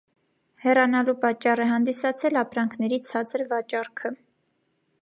Հեռանալու պատճառ է հանդիսացել ապրանքների ցածր վաճառքը։